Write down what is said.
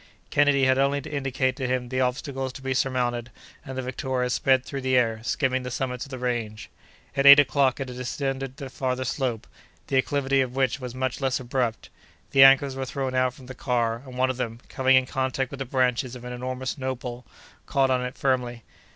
Kennedy had only to indicate to him the obstacles to be surmounted, and the Victoria sped through the air, skimming the summits of the range. At eight o'clock it descended the farther slope, the acclivity of which was much less abrupt. The anchors were thrown out from the car and one of them, coming in contact with the branches of an enormous nopal, caught on it firmly.